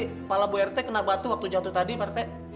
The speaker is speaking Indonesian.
kepala bu rt kena batu waktu jatuh tadi rt